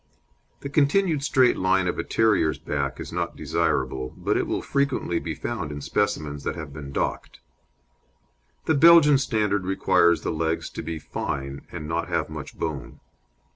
The continued straight line of a terrier's back is not desirable, but it will frequently be found in specimens that have been docked. The Belgian standard requires the legs to be "fine," and not have much bone.